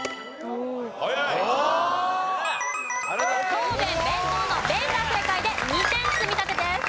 答弁弁当の「弁」が正解で２点積み立てです。